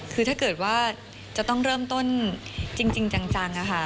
คือถ้าเกิดว่าจะต้องเริ่มต้นจริงจังค่ะ